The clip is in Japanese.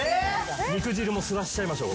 肉汁も吸わせちゃいましょう。